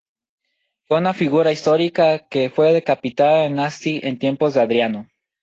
Fue una figura histórica que fue decapitada en Asti en tiempos de Adriano.